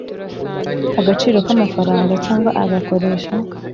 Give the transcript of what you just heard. Agaciro k amafaranga cyangwa agakoresha